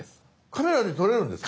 カメラで撮れるんですか？